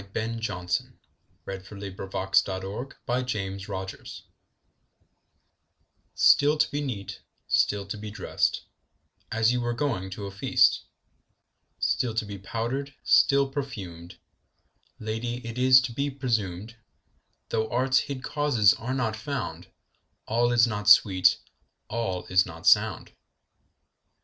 Ben Jonson. 1573–1637 186. Simplex Munditiis STILL to be neat, still to be drest, As you were going to a feast; Still to be powder'd, still perfumed: Lady, it is to be presumed, Though art's hid causes are not found, 5 All is not sweet, all is not sound.